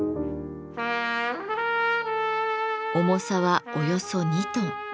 重さはおよそ２トン。